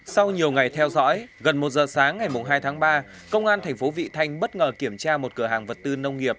sau nhiều ngày theo dõi gần một giờ sáng ngày hai tháng ba công an thành phố vị thanh bất ngờ kiểm tra một cửa hàng vật tư nông nghiệp